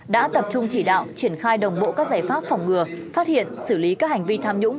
đã tập trung chỉ đạo triển khai đồng bộ các giải pháp phòng ngừa phát hiện xử lý các hành vi tham nhũng